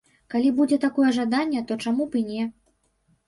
Калі будзе такое жаданне, то чаму б і не.